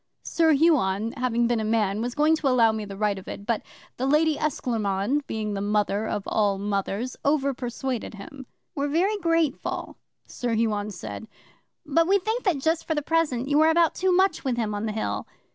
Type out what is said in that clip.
'Sir Huon, having been a man, was going to allow me the right of it, but the Lady Esclairmonde, being the Mother of all Mothers, over persuaded him. '"We're very grateful," Sir Huon said, "but we think that just for the present you are about too much with him on the Hill."